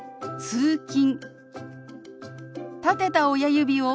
「通勤」。